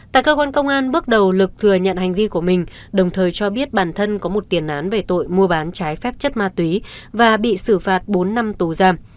tại cơ quan công an bước đầu lực thừa nhận hành vi của mình đồng thời cho biết bản thân có một tiền án về tội mua bán trái phép chất ma túy và bị xử phạt bốn năm tù giam